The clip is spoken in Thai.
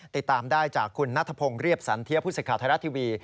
ติดตามได้จากคุณนัทพงศ์เรียบสันเทียผู้สื่อข่าวไทยรัฐทีวี